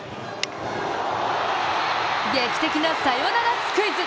劇的なサヨナラスクイズ！